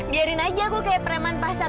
biarin aja aku kayak preman pasar